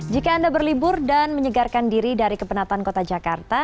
jika anda berlibur dan menyegarkan diri dari kepenatan kota jakarta